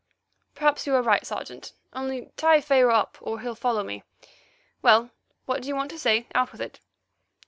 "Perhaps you are right, Sergeant, only tie Pharaoh up, or he'll follow me. Well, what do you want to say? Out with it."